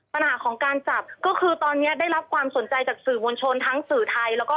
ปัญหาของการจับก็คือตอนนี้ได้รับความสนใจจากสื่อมวลชนทั้งสื่อไทยแล้วก็